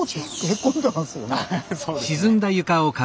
ああそうですね。